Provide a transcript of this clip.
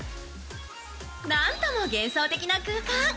なんとも幻想的な空間。